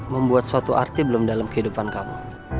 berarti belum dalam kehidupan kamu